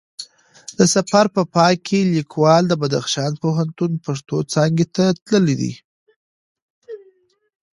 د سفر په پای کې لیکوال د بدخشان پوهنتون پښتو څانګی ته تللی دی